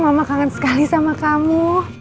mama kangen sekali sama kamu